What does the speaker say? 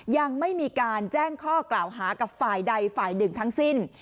ยังไม่มีการแจ้งข้อกล่าวหากับฝ่ายใดฝ่ายหนึ่งทั้งสิ้น